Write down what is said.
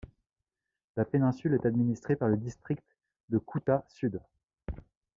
La péninsule est administrée par le district de Kuta Sud.